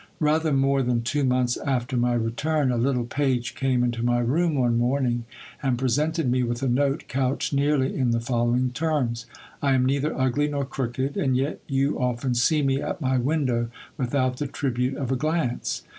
Rather more than two months after my return, a little page came into my room one morning, and presented me with a note couched nearly in the following terms :—" I am neither ugly nor crooked, and yet you often see me at my window without the tribute of a glance.